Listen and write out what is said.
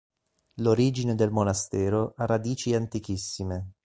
L'origine del monastero ha radici antichissime.